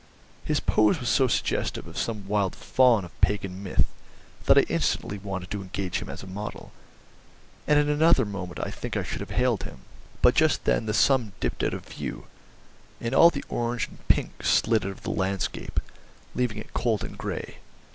His pose was so suggestive of some wild faun of Pagan myth that I instantly wanted to engage him as a model, and in another moment I think I should have hailed him. But just then the sun dipped out of view, and all the orange and pink slid out of the landscape, leaving it cold and grey.